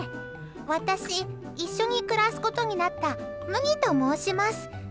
私、一緒に暮らすことになったむぎと申します。